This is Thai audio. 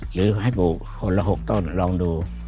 หรือให้ปลูกคนละ๖ต้นลองดู